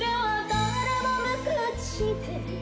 「誰も無口で」